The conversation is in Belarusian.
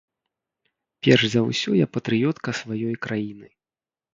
Перш за ўсё я патрыётка сваёй краіны.